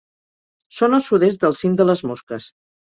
Són al sud-est del cim de les Mosques.